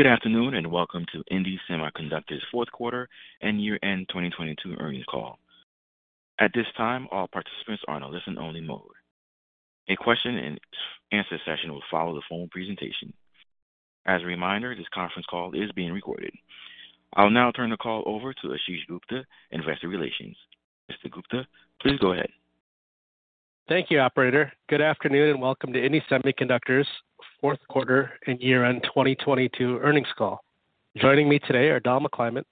Good afternoon, welcome to indie Semiconductor's fourth quarter and year-end 2022 earnings call. At this time, all participants are on a listen-only mode. A question-and-answer session will follow the phone presentation. As a reminder, this conference call is being recorded. I'll now turn the call over to Ashish Gupta, Investor Relations. Mr. Gupta, please go ahead. Thank you, operator. Welcome to indie Semiconductor's fourth quarter and year-end 2022 earnings call. Joining me today are Donald McClymont,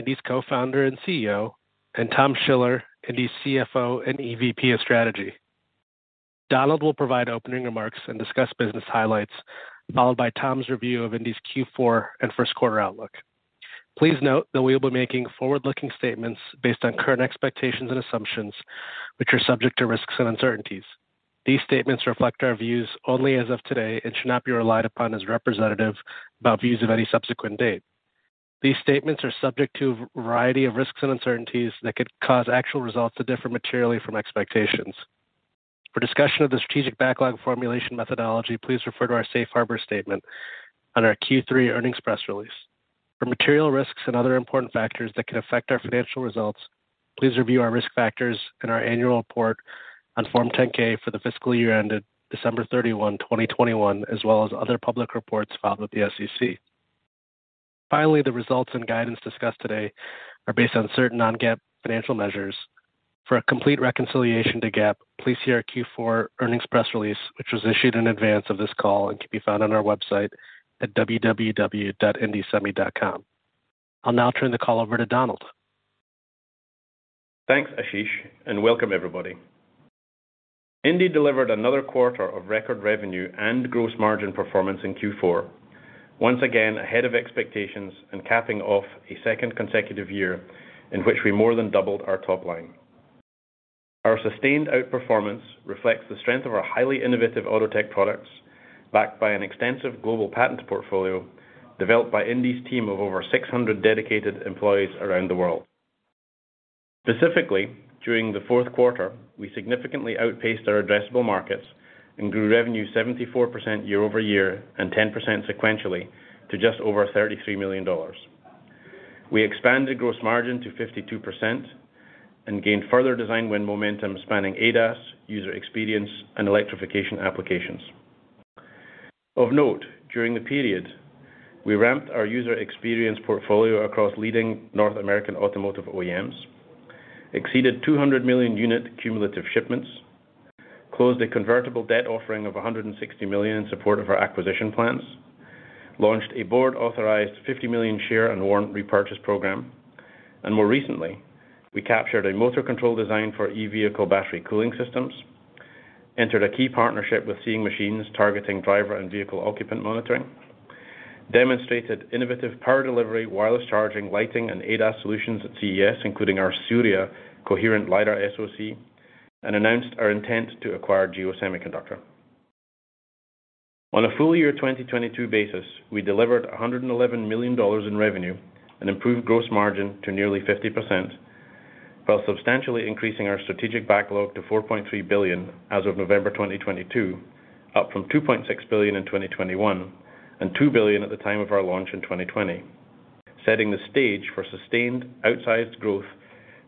indie's Co-founder and CEO, and Tom Schiller, indie's CFO and EVP of Strategy. Donald will provide opening remarks and discuss business highlights, followed by Tom's review of indie's Q4 and first quarter outlook. Please note that we will be making forward-looking statements based on current expectations and assumptions, which are subject to risks and uncertainties. These statements reflect our views only as of today and should not be relied upon as representative about views of any subsequent date. These statements are subject to a variety of risks and uncertainties that could cause actual results to differ materially from expectations. For discussion of the strategic backlog formulation methodology, please refer to our safe harbor statement on our Q3 earnings press release. For material risks and other important factors that could affect our financial results, please review our risk factors in our annual report on Form 10-K for the fiscal year ended December 31, 2021, as well as other public reports filed with the SEC. The results and guidance discussed today are based on certain non-GAAP financial measures. For a complete reconciliation to GAAP, please hear our Q4 earnings press release, which was issued in advance of this call and can be found on our website at www.indiesemi.com. I'll now turn the call over to Donald. Thanks, Ashish. Welcome everybody. indie delivered another quarter of record revenue and gross margin performance in Q4, once again ahead of expectations and capping off a second consecutive year in which we more than doubled our top line. Our sustained outperformance reflects the strength of our highly innovative auto tech products, backed by an extensive global patent portfolio developed by indie's team of over 600 dedicated employees around the world. Specifically, during the fourth quarter, we significantly outpaced our addressable markets and grew revenue 74% year-over-year and 10% sequentially to just over $33 million. We expanded gross margin to 52% and gained further design win momentum spanning ADAS, user experience, and electrification applications. Of note, during the period, we ramped our user experience portfolio across leading North American automotive OEMs, exceeded 200 million unit cumulative shipments, closed a convertible debt offering of $160 million in support of our acquisition plans, launched a board-authorized 50 million share and warrant repurchase program, and more recently, we captured a motor control design for e-vehicle battery cooling systems, entered a key partnership with Seeing Machines targeting driver and vehicle occupant monitoring, demonstrated innovative power delivery, wireless charging, lighting, and ADAS solutions at CES, including our Surya coherent LiDAR SoC, and announced our intent to acquire GEO Semiconductor. On a full year 2022 basis, we delivered $111 million in revenue and improved gross margin to nearly 50%, while substantially increasing our strategic backlog to $4.3 billion as of November 2022, up from $2.6 billion in 2021 and $2 billion at the time of our launch in 2020, setting the stage for sustained outsized growth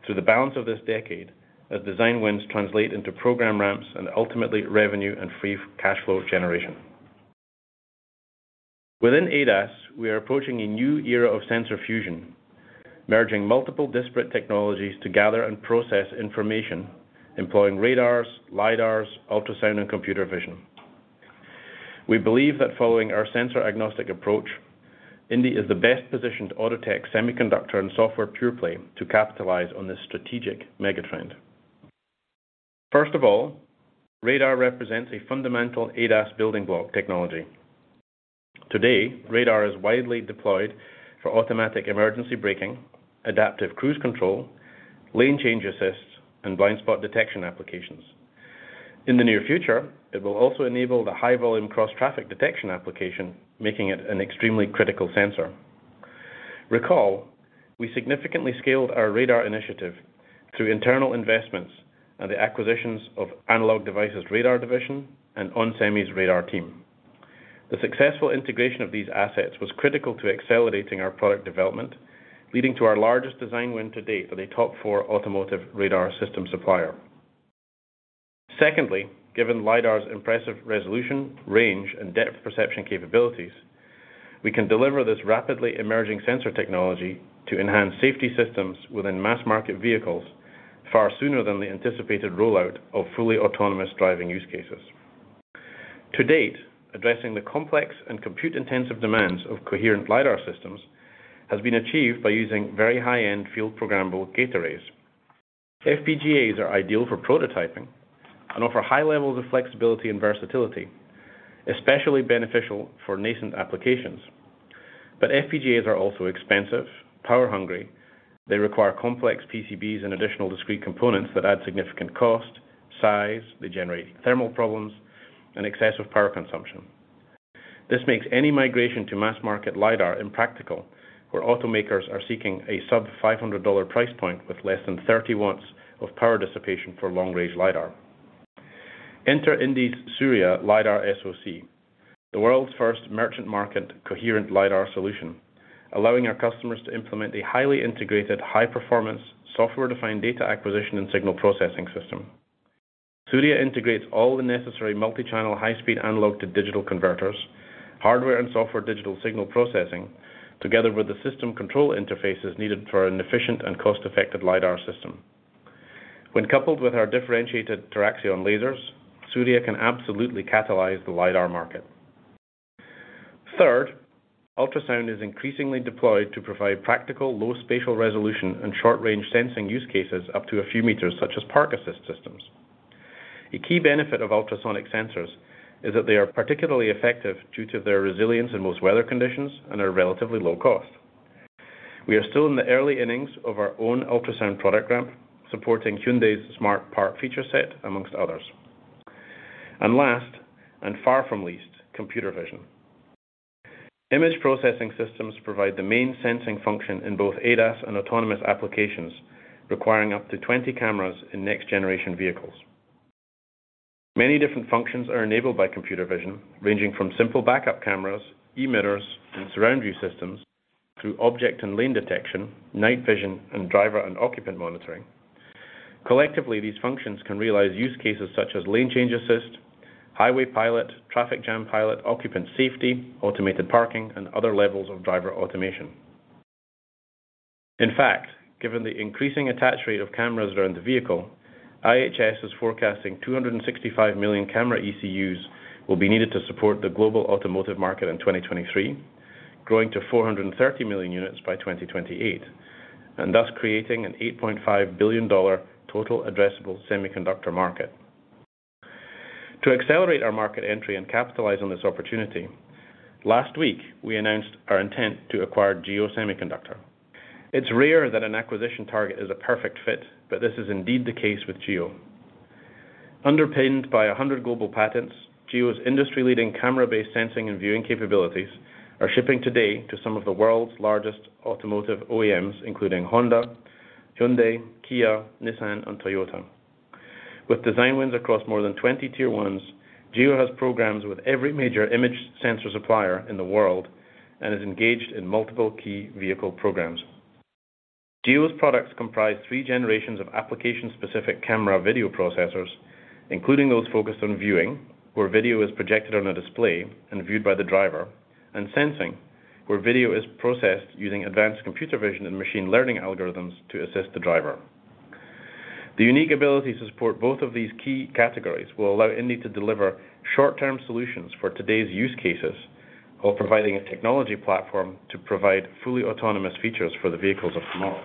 through the balance of this decade as design wins translate into program ramps and ultimately revenue and free cash flow generation. Within ADAS, we are approaching a new era of sensor fusion, merging multiple disparate technologies to gather and process information employing radars, LiDARs, ultrasound, and computer vision. We believe that following our sensor-agnostic approach, Indie is the best positioned auto tech semiconductor and software pure play to capitalize on this strategic mega trend. Radar represents a fundamental ADAS building block technology. Today, radar is widely deployed for automatic emergency braking, adaptive cruise control, lane change assist, and blind spot detection applications. In the near future, it will also enable the high-volume cross-traffic detection application, making it an extremely critical sensor. Recall, we significantly scaled our radar initiative through internal investments and the acquisitions of Analog Devices' radar division and onsemi's radar team. The successful integration of these assets was critical to accelerating our product development, leading to our largest design win to date for the top four automotive radar system supplier. Given LiDAR's impressive resolution, range, and depth perception capabilities, we can deliver this rapidly emerging sensor technology to enhance safety systems within mass market vehicles far sooner than the anticipated rollout of fully autonomous driving use cases. To date, addressing the complex and compute-intensive demands of coherent LiDAR systems has been achieved by using very high-end field-programmable gate arrays. FPGAs are ideal for prototyping and offer high levels of flexibility and versatility, especially beneficial for nascent applications. FPGAs are also expensive, power-hungry. They require complex PCBs and additional discrete components that add significant cost, size, they generate thermal problems and excessive power consumption. This makes any migration to mass market LiDAR impractical, where automakers are seeking a sub $500 price point with less than 30 watts of power dissipation for long-range LiDAR. Enter indie Surya LiDAR SoC, the world's first merchant market coherent LiDAR solution, allowing our customers to implement a highly integrated, high-performance, software-defined data acquisition and signal processing system. Surya integrates all the necessary multi-channel high-speed analog to digital converters, hardware and software digital signal processing, together with the system control interfaces needed for an efficient and cost-effective LiDAR system. When coupled with our differentiated TeraXion lasers, Surya can absolutely catalyze the LiDAR market. Ultrasound is increasingly deployed to provide practical low spatial resolution and short-range sensing use cases up to a few meters, such as park assist systems. A key benefit of ultrasonic sensors is that they are particularly effective due to their resilience in most weather conditions and are relatively low cost. We are still in the early innings of our own ultrasound product ramp, supporting Hyundai's smart park feature set, amongst others. Last, and far from least, computer vision. Image processing systems provide the main sensing function in both ADAS and autonomous applications, requiring up to 20 cameras in next-generation vehicles. Many different functions are enabled by computer vision, ranging from simple backup cameras, e-mirrors, and surround view systems through object and lane detection, night vision, and driver and occupant monitoring. Collectively, these functions can realize use cases such as lane change assist, highway pilot, traffic jam pilot, occupant safety, automated parking, and other levels of driver automation. In fact, given the increasing attach rate of cameras around the vehicle, IHS is forecasting 265 million camera ECUs will be needed to support the global automotive market in 2023, growing to 430 million units by 2028, and thus creating an $8.5 billion total addressable semiconductor market. To accelerate our market entry and capitalize on this opportunity, last week we announced our intent to acquire GEO Semiconductor. It's rare that an acquisition target is a perfect fit, but this is indeed the case with GEO. Underpinned by 100 global patents, GEO's industry-leading camera-based sensing and viewing capabilities are shipping today to some of the world's largest automotive OEMs, including Honda, Hyundai, Kia, Nissan, and Toyota. With design wins across more than 20 tier ones, GEO has programs with every major image sensor supplier in the world and is engaged in multiple key vehicle programs. GEO's products comprise three generations of application-specific camera video processors, including those focused on viewing, where video is projected on a display and viewed by the driver, and sensing, where video is processed using advanced computer vision and machine learning algorithms to assist the driver. The unique ability to support both of these key categories will allow Indie to deliver short-term solutions for today's use cases while providing a technology platform to provide fully autonomous features for the vehicles of tomorrow.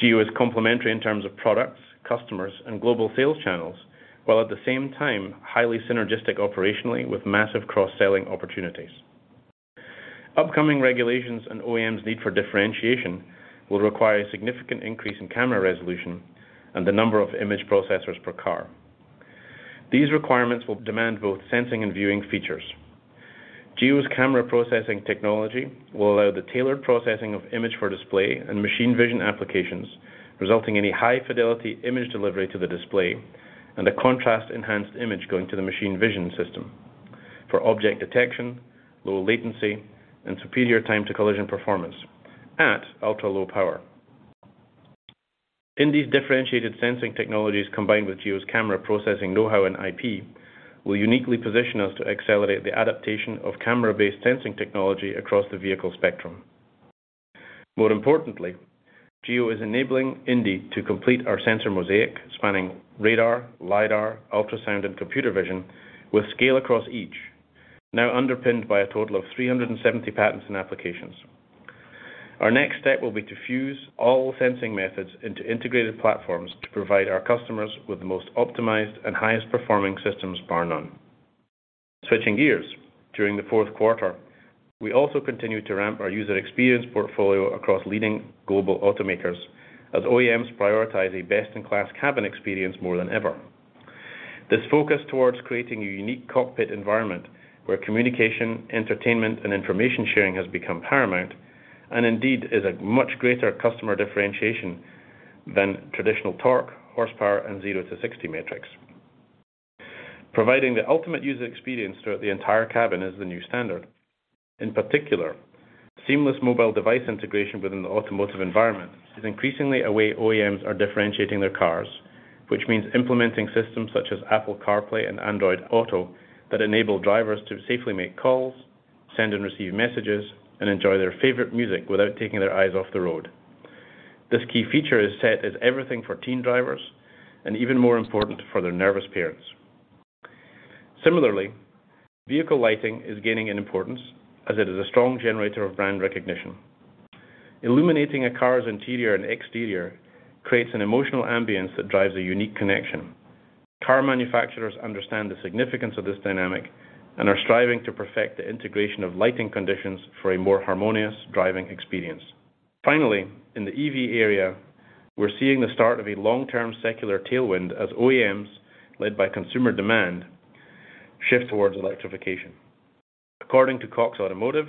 GEO is complementary in terms of products, customers, and global sales channels, while at the same time highly synergistic operationally with massive cross-selling opportunities. Upcoming regulations and OEMs need for differentiation will require a significant increase in camera resolution and the number of image processors per car. These requirements will demand both sensing and viewing features. GEO's camera processing technology will allow the tailored processing of image for display and machine vision applications, resulting in a high-fidelity image delivery to the display and a contrast enhanced image going to the machine vision system for object detection, low latency, and superior time to collision performance at ultra-low power. indie's differentiated sensing technologies, combined with GEO's camera processing know-how and IP, will uniquely position us to accelerate the adaptation of camera-based sensing technology across the vehicle spectrum. More importantly, GEO is enabling indie to complete our sensor mosaic spanning radar, LiDAR, ultrasound, and computer vision with scale across each, now underpinned by a total of 370 patents and applications. Our next step will be to fuse all sensing methods into integrated platforms to provide our customers with the most optimized and highest performing systems bar none. Switching gears, during the fourth quarter, we also continued to ramp our user experience portfolio across leading global automakers as OEMs prioritize a best-in-class cabin experience more than ever. This focus towards creating a unique cockpit environment where communication, entertainment, and information sharing has become paramount and indeed is a much greater customer differentiation than traditional torque, horsepower, and 0 to 60 metrics. Providing the ultimate user experience throughout the entire cabin is the new standard. In particular, seamless mobile device integration within the automotive environment is increasingly a way OEMs are differentiating their cars, which means implementing systems such as Apple CarPlay and Android Auto that enable drivers to safely make calls, send and receive messages, and enjoy their favorite music without taking their eyes off the road. This key feature is set as everything for teen drivers and even more important for their nervous parents. Similarly, vehicle lighting is gaining in importance as it is a strong generator of brand recognition. Illuminating a car's interior and exterior creates an emotional ambience that drives a unique connection. Car manufacturers understand the significance of this dynamic and are striving to perfect the integration of lighting conditions for a more harmonious driving experience. Finally, in the EV area, we're seeing the start of a long-term secular tailwind as OEMs, led by consumer demand shift towards electrification. According to Cox Automotive,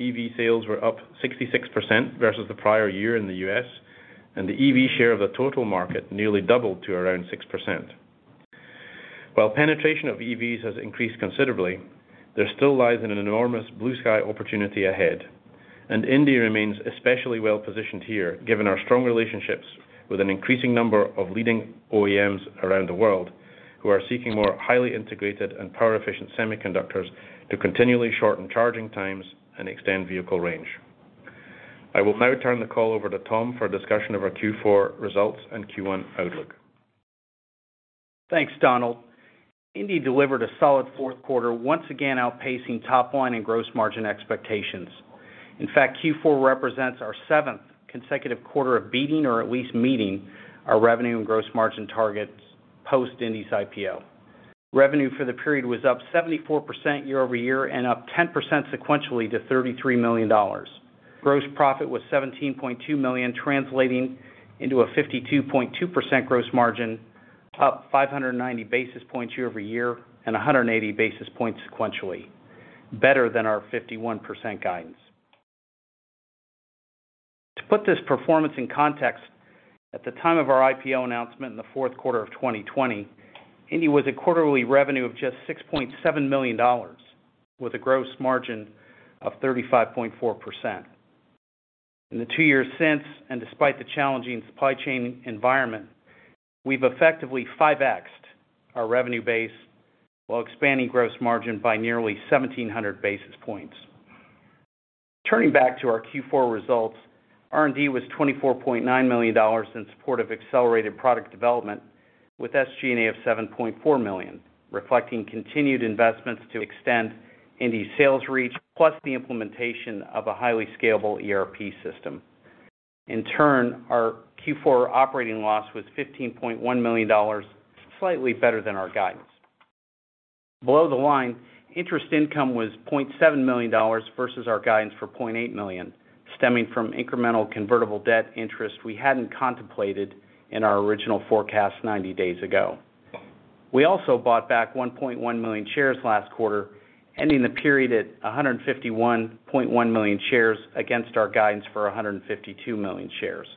EV sales were up 66% versus the prior year in the U.S., and the EV share of the total market nearly doubled to around 6%. While penetration of EVs has increased considerably, there still lies in an enormous blue sky opportunity ahead. indie remains especially well-positioned here, given our strong relationships with an increasing number of leading OEMs around the world, who are seeking more highly integrated and power-efficient semiconductors to continually shorten charging times and extend vehicle range. I will now turn the call over to Tom for a discussion of our Q4 results and Q1 outlook. Thanks, Donald. Indie delivered a solid fourth quarter, once again outpacing top line and gross margin expectations. In fact, Q4 represents our seventh consecutive quarter of beating or at least meeting our revenue and gross margin targets post Indie's IPO. Revenue for the period was up 74% year-over-year and up 10% sequentially to $33 million. Gross profit was $17.2 million, translating into a 52.2% gross margin, up 590 basis points year-over-year, and 180 basis points sequentially, better than our 51% guidance. To put this performance in context, at the time of our IPO announcement in the fourth quarter of 2020, Indie was a quarterly revenue of just $6.7 million, with a gross margin of 35.4%. In the two years since, despite the challenging supply chain environment, we've effectively 5Xed our revenue base while expanding gross margin by nearly 1,700 basis points. Turning back to our Q4 results, R&D was $24.9 million in support of accelerated product development, with SG&A of $7.4 million, reflecting continued investments to extend indie's sales reach, plus the implementation of a highly scalable ERP system. Our Q4 operating loss was $15.1 million, slightly better than our guidance. Below the line, interest income was $0.7 million versus our guidance for $0.8 million, stemming from incremental convertible debt interest we hadn't contemplated in our original forecast 90 days ago. We also bought back 1.1 million shares last quarter, ending the period at 151.1 million shares against our guidance for 152 million shares.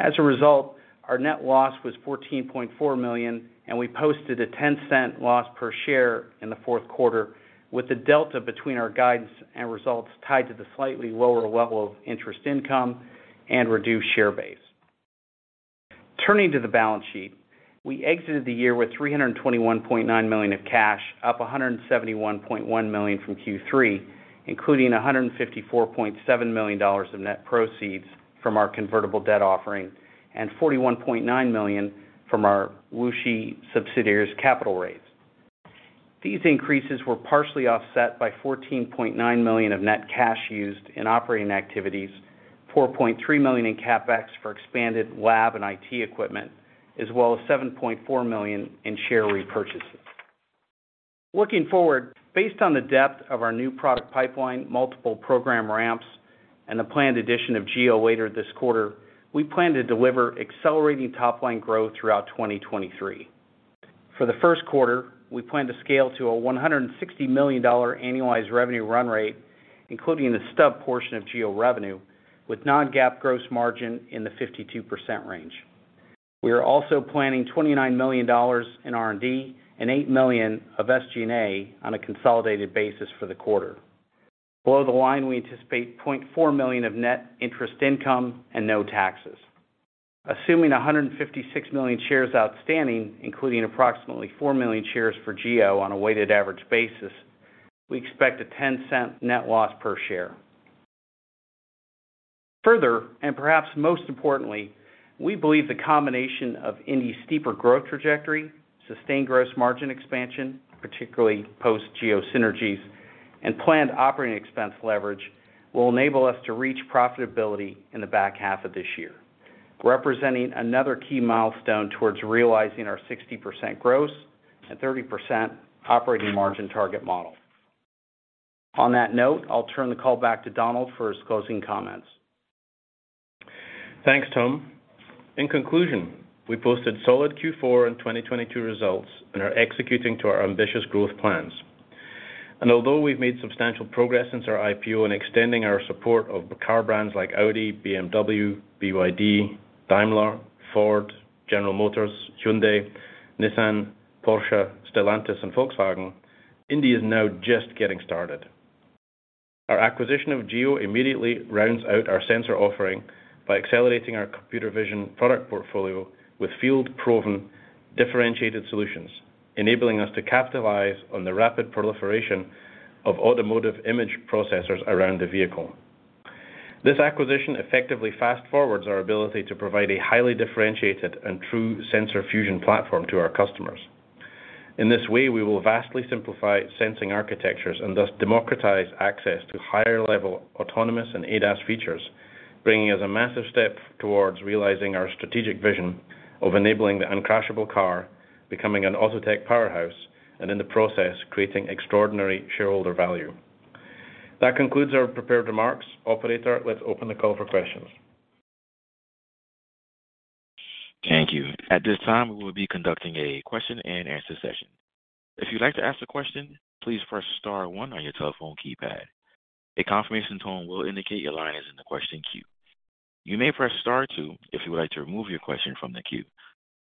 Our net loss was $14.4 million, and we posted a $0.10 loss per share in the fourth quarter, with the delta between our guidance and results tied to the slightly lower level of interest income and reduced share base. Turning to the balance sheet, we exited the year with $321.9 million of cash, up $171.1 million from Q3, including $154.7 million of net proceeds from our convertible debt offering, and $41.9 million from our Wuxi subsidiary's capital raise. These increases were partially offset by $14.9 million of net cash used in operating activities, $4.3 million in CapEx for expanded lab and IT equipment, as well as $7.4 million in share repurchases. Looking forward, based on the depth of our new product pipeline, multiple program ramps, and the planned addition of GEO later this quarter, we plan to deliver accelerating top line growth throughout 2023. For the first quarter, we plan to scale to a $160 million annualized revenue run rate, including the stub portion of GEO revenue with non-GAAP gross margin in the 52% range. We are also planning $29 million in R&D and $8 million of SG&A on a consolidated basis for the quarter. Below the line, we anticipate $0.4 million of net interest income and no taxes. Assuming 156 million shares outstanding, including approximately 4 million shares for GEO on a weighted average basis, we expect a $0.10 net loss per share. Further, perhaps most importantly, we believe the combination of indie's steeper growth trajectory, sustained gross margin expansion, particularly post GEO synergies, and planned OpEx leverage, will enable us to reach profitability in the back half of this year, representing another key milestone towards realizing our 60% gross and 30% operating margin target model. On that note, I'll turn the call back to Donald for his closing comments. Thanks, Tom. In conclusion, we posted solid Q4 in 2022 results and are executing to our ambitious growth plans. Although we've made substantial progress since our IPO in extending our support of car brands like Audi, BMW, BYD, Daimler, Ford, General Motors, Hyundai, Nissan, Porsche, Stellantis, and Volkswagen, indie is now just getting started. Our acquisition of GEO immediately rounds out our sensor offering by accelerating our computer vision product portfolio with field-proven differentiated solutions, enabling us to capitalize on the rapid proliferation of automotive image processors around the vehicle. This acquisition effectively fast-forwards our ability to provide a highly differentiated and true sensor fusion platform to our customers. In this way, we will vastly simplify sensing architectures and thus democratize access to higher level autonomous and ADAS features, bringing us a massive step towards realizing our strategic vision of enabling the uncrashable car, becoming an autotech powerhouse, and in the process, creating extraordinary shareholder value. That concludes our prepared remarks. Operator, let's open the call for questions. Thank you. At this time, we will be conducting a question and answer session. If you'd like to ask a question, please press star one on your telephone keypad. A confirmation tone will indicate your line is in the question queue. You may press star two if you would like to remove your question from the queue.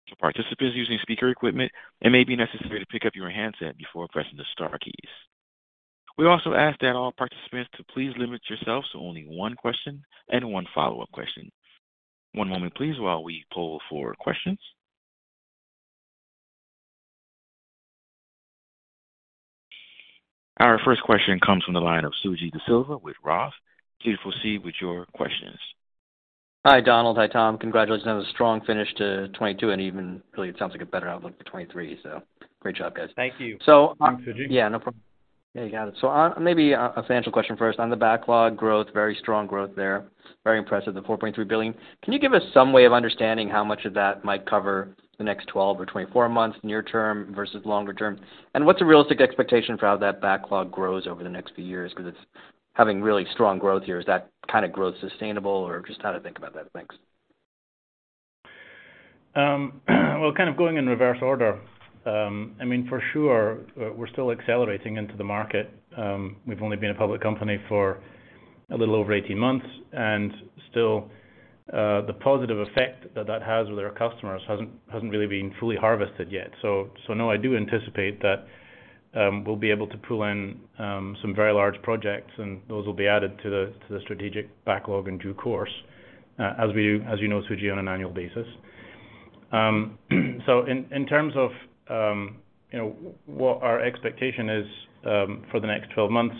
For participants using speaker equipment, it may be necessary to pick up your handset before pressing the star keys. We also ask that all participants to please limit yourselves to only one question and one follow-up question. One moment please while we poll for questions. Our first question comes from the line of Suji Desilva with Roth. Please proceed with your questions. Hi, Donald. Hi, Tom. Congratulations on a strong finish to 2022 and even really it sounds like a better outlook for 2023. Great job, guys. Thank you. So, um- Thanks, Suji. Yeah, no problem. Yeah, you got it. Maybe a financial question first on the backlog growth, very strong growth there. Very impressive, the $4.3 billion. Can you give us some way of understanding how much of that might cover the next 12 or 24 months near term versus longer term? What's a realistic expectation for how that backlog grows over the next few years because it's having really strong growth here? Is that kinda growth sustainable or just how to think about that? Thanks. Well, kind of going in reverse order, I mean, for sure, we're still accelerating into the market. We've only been a public company for a little over 18 months, and still, the positive effect that that has with our customers hasn't really been fully harvested yet. No, I do anticipate that we'll be able to pull in some very large projects, and those will be added to the strategic backlog in due course, as you know, Suji, on an annual basis. In terms of, you know, what our expectation is for the next 12 months,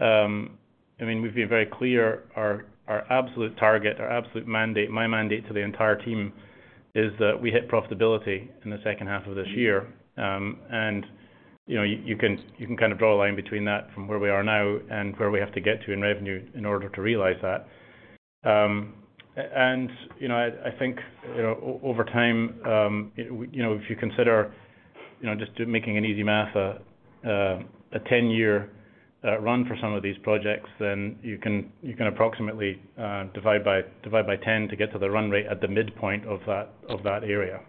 I mean, we've been very clear our absolute target, our absolute mandate, my mandate to the entire team is that we hit profitability in the second half of this year. You know, you can kind of draw a line between that from where we are now and where we have to get to in revenue in order to realize that. You know, I think, you know, over time, you know, if you consider, you know, just making an easy math, a 10-year run for some of these projects, then you can approximately divide by 10 to get to the run rate at the midpoint of that, of that area.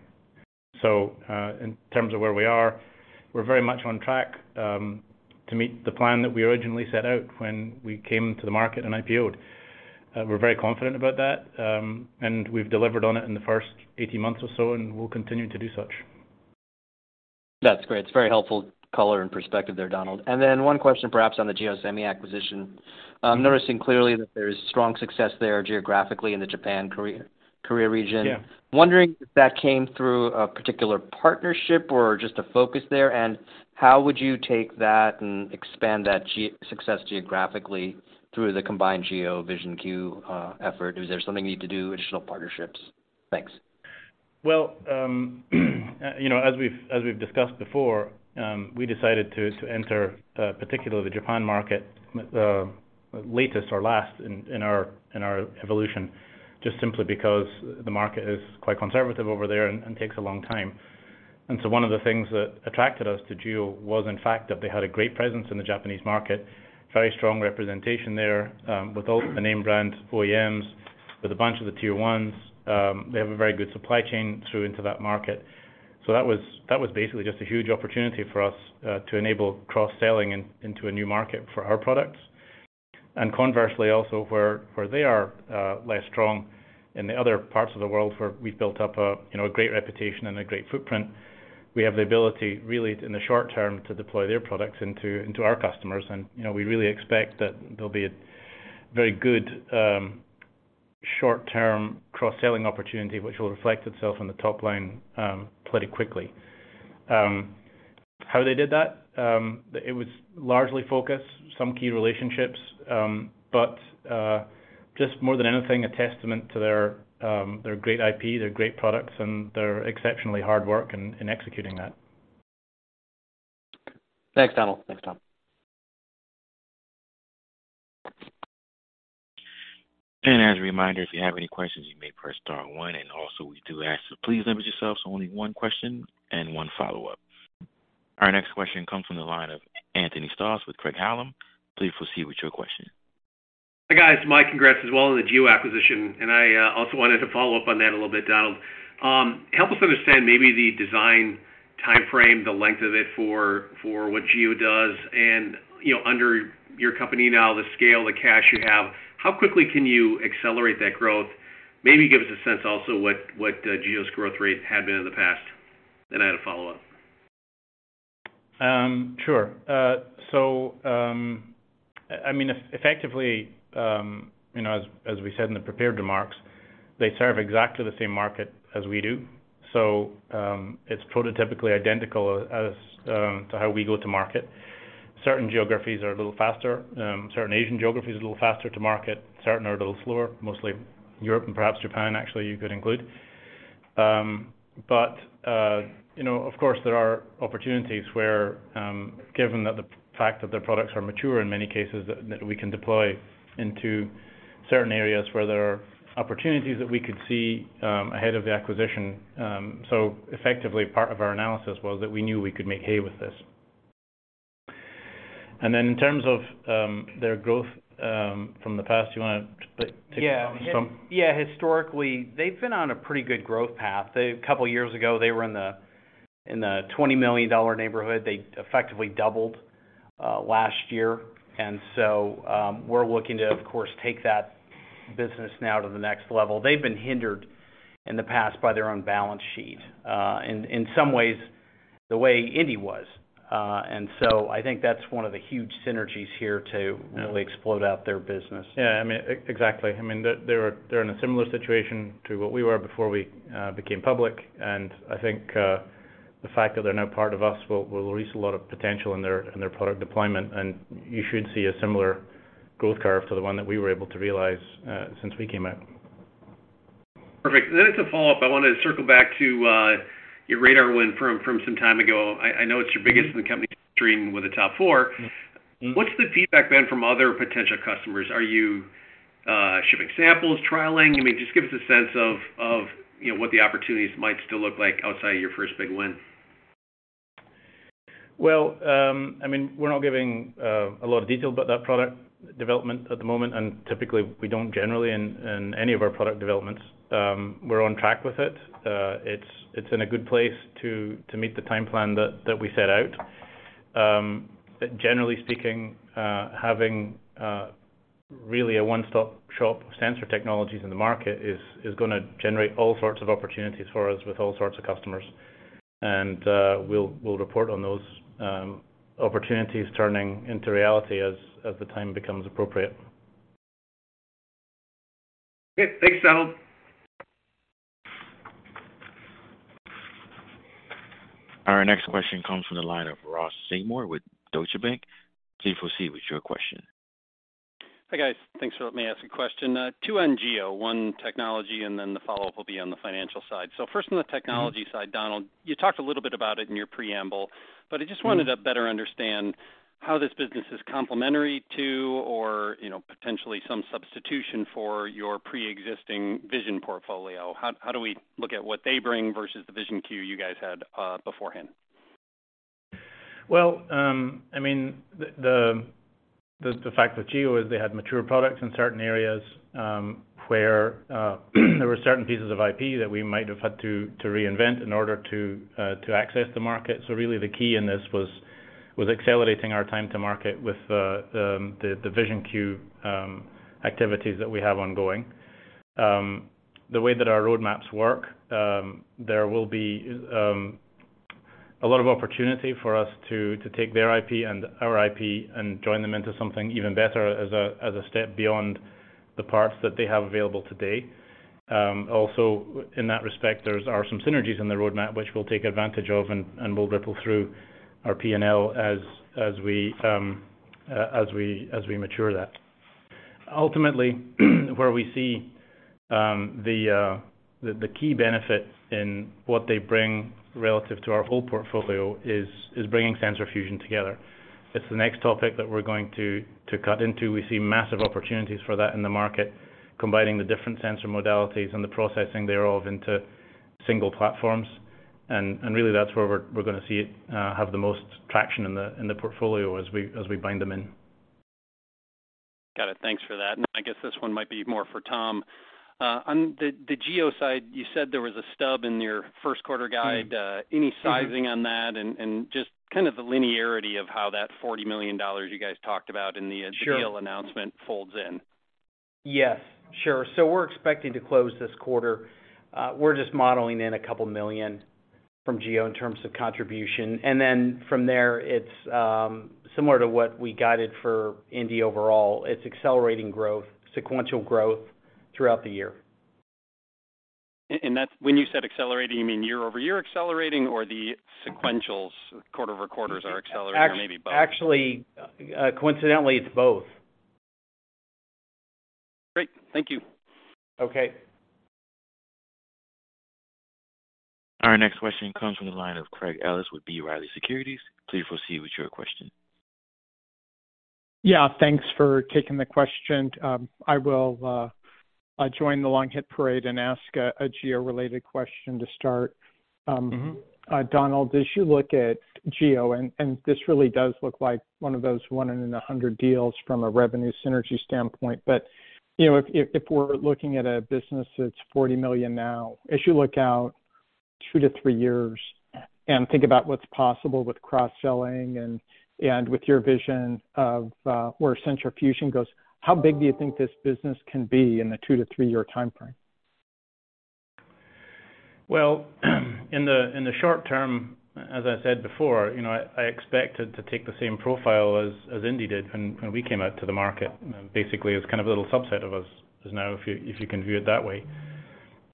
In terms of where we are, we're very much on track to meet the plan that we originally set out when we came to the market and IPO'd. We're very confident about that, and we've delivered on it in the first 18 months or so, and we'll continue to do such. That's great. It's very helpful color and perspective there, Donald. Then one question perhaps on the GEO Semi acquisition. noticing clearly that there's strong success there geographically in the Japan, Korea region. Yeah. Wondering if that came through a particular partnership or just a focus there? How would you take that and expand that success geographically through the combined GEO VisionQ effort? Is there something you need to do, additional partnerships? Thanks. Well, you know, as we've discussed before, we decided to enter, particularly the Japan market latest or last in our evolution just simply because the market is quite conservative over there and takes a long time. One of the things that attracted us to GEO was, in fact, that they had a great presence in the Japanese market, very strong representation there, with all the name brand OEMs, with a bunch of the tier ones. They have a very good supply chain through into that market. That was basically just a huge opportunity for us, to enable cross-selling into a new market for our products. Conversely, also where they are less strong in the other parts of the world where we've built up a great reputation and a great footprint, we have the ability really in the short term to deploy their products into our customers. We really expect that there'll be a very good short-term cross-selling opportunity which will reflect itself on the top line pretty quickly. How they did that? It was largely focus, some key relationships, but just more than anything, a testament to their great IP, their great products, and their exceptionally hard work in executing that. Thanks, Donald. Thanks, Tom. As a reminder, if you have any questions, you may press star one. Also we do ask that please limit yourselves to only one question and one follow-up. Our next question comes from the line of Anthony Stoss with Craig-Hallum. Please proceed with your question. Hi, guys. Mike, congrats as well on the GEO acquisition. I also wanted to follow up on that a little bit, Donald. Help us understand maybe the design timeframe, the length of it for what GEO does. You know, under your company now, the scale, the cash you have, how quickly can you accelerate that growth? Maybe give us a sense also what GEO's growth rate had been in the past. I had a follow-up. Sure. I mean, effectively, you know, as we said in the prepared remarks, they serve exactly the same market as we do. It's prototypically identical as to how we go to market. Certain geographies are a little faster. Certain Asian geographies are a little faster to market. Certain are a little slower, mostly Europe and perhaps Japan actually you could include. You know, of course, there are opportunities where, given that the fact that their products are mature in many cases that we can deploy into certain areas where there are opportunities that we could see ahead of the acquisition. Effectively, part of our analysis was that we knew we could make hay with this. Then in terms of their growth from the past, do you wanna take some- Yeah. Yeah. Historically, they've been on a pretty good growth path. They couple years ago, they were in the $20 million neighborhood. They effectively doubled last year. We're looking to, of course, take that business now to the next level. They've been hindered in the past by their own balance sheet, in some ways, the way indie was. I think that's one of the huge synergies here to really explode out their business. Yeah, I mean, exactly. I mean, they're in a similar situation to what we were before we became public. I think the fact that they're now part of us will release a lot of potential in their product deployment, and you should see a similar growth curve to the one that we were able to realize since we came out. Perfect. As a follow-up, I wanna circle back to your radar win from some time ago. I know it's your biggest in the company stream with the top four. Mm-hmm. What's the feedback been from other potential customers? Are you shipping samples, trialing? I mean, just give us a sense of, you know, what the opportunities might still look like outside your first big win. Well, I mean, we're not giving a lot of detail about that product development at the moment, and typically we don't generally in any of our product developments. We're on track with it. It's in a good place to meet the time plan that we set out. Generally speaking, having really a one-stop shop sensor technologies in the market is gonna generate all sorts of opportunities for us with all sorts of customers. We'll report on those opportunities turning into reality as the time becomes appropriate. Okay. Thanks, Donald. Our next question comes from the line of Ross Seymore with Deutsche Bank. Please proceed with your question. Hi, guys. Thanks for letting me ask a question. Two on GEO, one technology, then the follow-up will be on the financial side. First on the technology side, Donald, you talked a little bit about it in your preamble, but I just wanted to better understand how this business is complementary to or, you know, potentially some substitution for your preexisting vision portfolio. How do we look at what they bring versus the VisionQ you guys had beforehand? Well, I mean, the fact with GEO is they had mature products in certain areas, where there were certain pieces of IP that we might have had to reinvent in order to access the market. Really the key in this was accelerating our time to market with the VisionQ activities that we have ongoing. The way that our roadmaps work, there will be a lot of opportunity for us to take their IP and our IP and join them into something even better as a step beyond the parts that they have available today. Also in that respect, there's are some synergies in the roadmap which we'll take advantage of and will ripple through our P&L as we mature that. Ultimately, where we see the key benefit in what they bring relative to our whole portfolio is bringing sensor fusion together. It's the next topic that we're going to cut into. We see massive opportunities for that in the market, combining the different sensor modalities and the processing thereof into single platforms. Really that's where we're gonna see it have the most traction in the portfolio as we bind them in. Got it. Thanks for that. I guess this one might be more for Tom. On the GEO side, you said there was a stub in your first quarter guide. Mm-hmm. Any sizing on that? Just kind of the linearity of how that $40 million you guys talked about. Sure GEO announcement folds in. Yes, sure. We're expecting to close this quarter. We're just modeling in $2 million from GEO in terms of contribution. From there, it's similar to what we guided for indie overall. It's accelerating growth, sequential growth throughout the year. That's when you said accelerating, you mean year-over-year accelerating or the sequentials quarter-over-quarters are accelerating or maybe both? actually, coincidentally, it's both. Great. Thank you. Okay. Our next question comes from the line of Craig Ellis with B. Riley Securities. Please proceed with your question. Yeah, thanks for taking the question. I join the long hit parade and ask a GEO-related question to start. Mm-hmm Donald, as you look at GEO, and this really does look like one of those one in 100 deals from a revenue synergy standpoint. You know, if we're looking at a business that's $40 million now, as you look out two to three years and think about what's possible with cross-selling and with your vision of, where sensor fusion goes, how big do you think this business can be in the two to three year timeframe? Well, in the short term, as I said before, you know, I expect it to take the same profile as indie did when we came out to the market. Basically, it's kind of a little subset of us is now if you, if you can view it that way.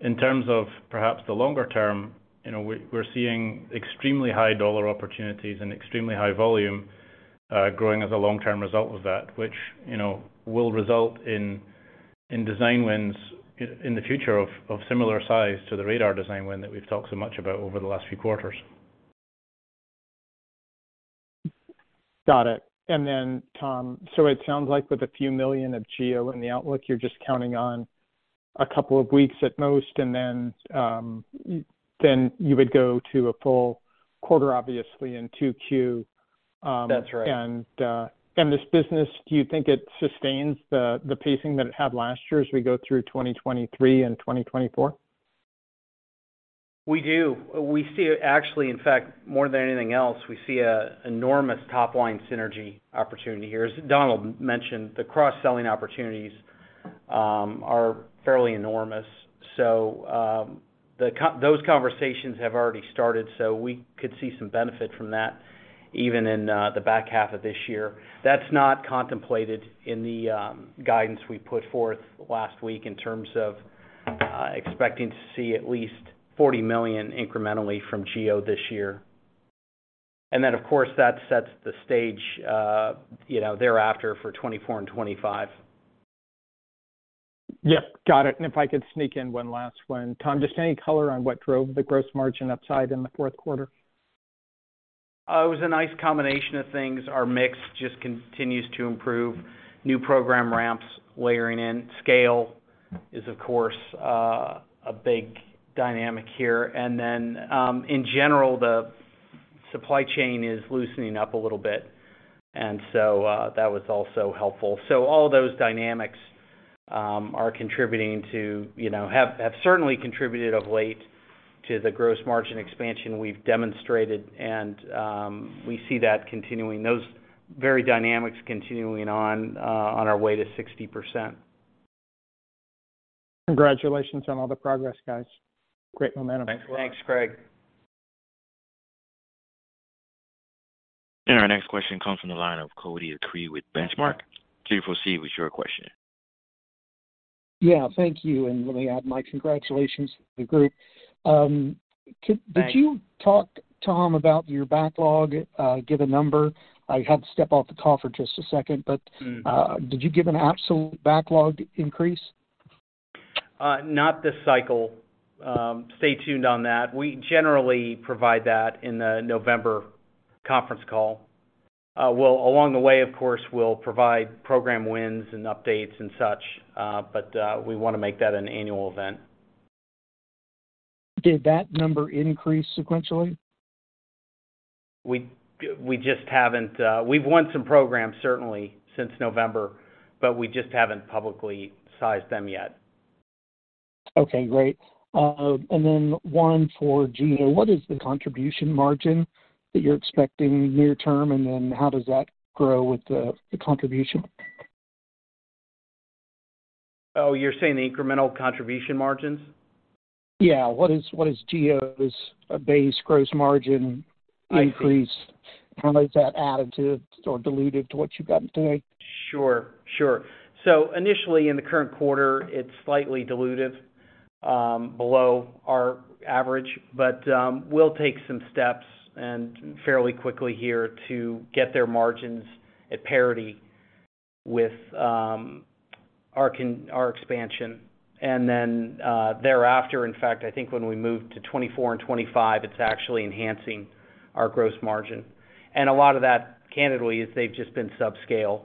In terms of perhaps the longer term, you know, we're seeing extremely high dollar opportunities and extremely high volume, growing as a long-term result of that, which, you know, will result in design wins in the future of similar size to the radar design win that we've talked so much about over the last few quarters. Got it. Tom, it sounds like with a few million of GEO in the outlook, you're just counting on a couple of weeks at most, and then you would go to a full quarter, obviously in Q2. That's right. This business, do you think it sustains the pacing that it had last year as we go through 2023 and 2024? We do. We see actually, in fact, more than anything else, we see a enormous top-line synergy opportunity here. As Donald mentioned, the cross-selling opportunities are fairly enormous. those conversations have already started, so we could see some benefit from that even in the back half of this year. That's not contemplated in the guidance we put forth last week in terms of expecting to see at least $40 million incrementally from GEO this year. Of course, that sets the stage, you know, thereafter for 2024 and 2025. Yeah. Got it. If I could sneak in one last one. Tom, just any color on what drove the gross margin upside in the fourth quarter? It was a nice combination of things. Our mix just continues to improve. New program ramps layering in. Scale is, of course, a big dynamic here. In general, the supply chain is loosening up a little bit. That was also helpful. All those dynamics are contributing to, you know, have certainly contributed of late to the gross margin expansion we've demonstrated. We see that continuing, those very dynamics continuing on our way to 60%. Congratulations on all the progress, guys. Great momentum. Thanks. Thanks, Craig. Our next question comes from the line of Cody Acree with The Benchmark Company. Cody, proceed with your question. Yeah. Thank you. Let me add my congratulations to the group. Thanks. Did you talk, Tom, about your backlog, give a number? I had to step off the call for just a second. Mm. Did you give an absolute backlog increase? Not this cycle. Stay tuned on that. We generally provide that in the November conference call. Along the way, of course, we'll provide program wins and updates and such, we wanna make that an annual event. Did that number increase sequentially? We've won some programs certainly since November, but we just haven't publicly sized them yet. Okay, great. One for GEO. What is the contribution margin that you're expecting near term, and then how does that grow with the contribution? Oh, you're saying the incremental contribution margins? What is GEO's base gross margin increase? I see. How is that added to or dilutive to what you've got today? Sure. Sure. Initially in the current quarter, it's slightly dilutive, below our average. We'll take some steps and fairly quickly here to get their margins at parity with our expansion. Then, thereafter, in fact, I think when we move to 2024 and 2025, it's actually enhancing our gross margin. A lot of that, candidly, is they've just been subscale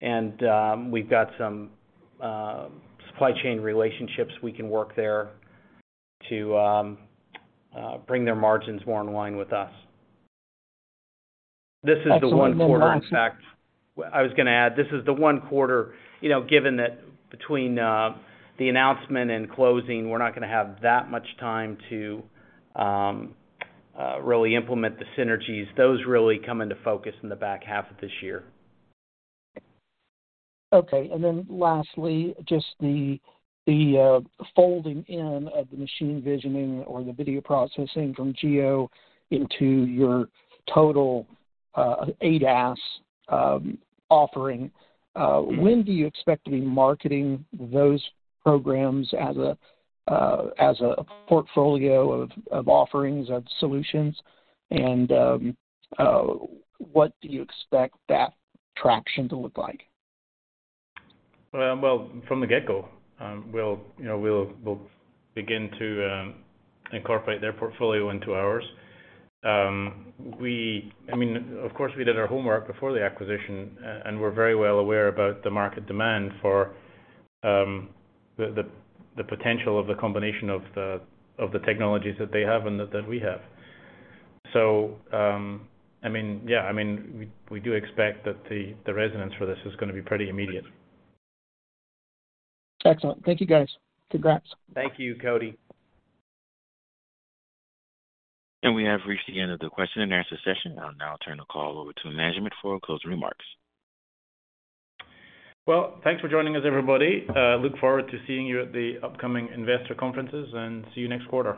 and, we've got some, supply chain relationships we can work there to bring their margins more in line with us. This is the one quarter. Excellent. One last- In fact, I was gonna add, this is the one quarter, you know, given that between the announcement and closing, we're not gonna have that much time to really implement the synergies. Those really come into focus in the back half of this year. Okay. Lastly, just the folding in of the machine visioning or the video processing from GEO into your total ADAS offering. Mm-hmm. When do you expect to be marketing those programs as a, as a portfolio of offerings of solutions? What do you expect that traction to look like? From the get-go, we'll, you know, we'll begin to incorporate their portfolio into ours. I mean, of course, we did our homework before the acquisition, and we're very well aware about the market demand for the potential of the combination of the technologies that they have and that we have. I mean, yeah, I mean, we do expect that the resonance for this is gonna be pretty immediate. Excellent. Thank you, guys. Congrats. Thank you, Cody. We have reached the end of the question and answer session. I'll now turn the call over to management for closing remarks. Thanks for joining us, everybody. Look forward to seeing you at the upcoming investor conferences and see you next quarter.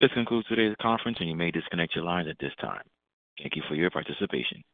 This concludes today's conference, and you may disconnect your lines at this time. Thank you for your participation.